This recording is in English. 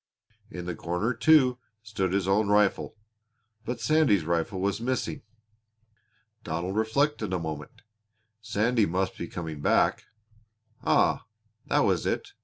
In the corner, too, stood his own rifle. But Sandy's rifle was missing. Donald reflected a moment. Sandy must be coming back. Ah, that was it!